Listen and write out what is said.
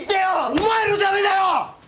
お前のためだよ！